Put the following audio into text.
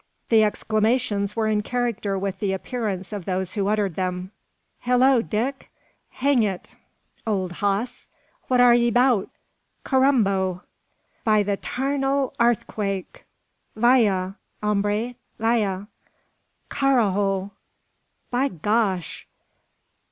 The exclamations were in character with the appearance of those who uttered them. "Hollo, Dick! hang it, old hoss, what are ye 'bout?" "Carambo!" "By the 'tarnal airthquake!" "Vaya! hombre, vaya!" "Carrajo!" "By Gosh!"